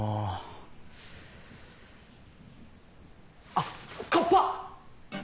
あっカッパ！